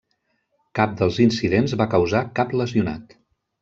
Cap dels incidents va causar cap lesionat.